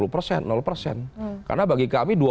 lima puluh persen persen karena bagi kami